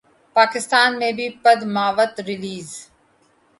پاکستان میں بھی پدماوت ریلیز